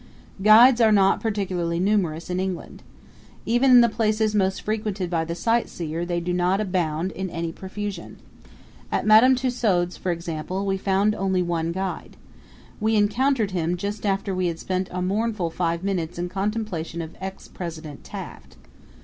Guides are not particularly numerous in England. Even in the places most frequented by the sightseer they do not abound in any profusion. At Madame Tussaud's, for example, we found only one guide. We encountered him just after we had spent a mournful five minutes in contemplation of ex President Taft.